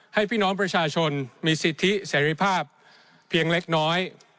ให้พี่น้องประชาชนมีสิทธิเสรีภาพเพียงเล็กน้อย